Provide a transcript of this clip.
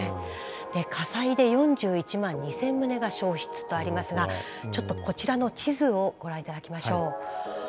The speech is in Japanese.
火災で４１万２，０００棟が焼失とありますがちょっとこちらの地図をご覧いただきましょう。